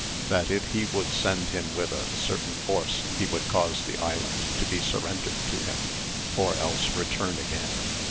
That if he would send him with a certain force he would cause the island to be surrendered to him, or else return again.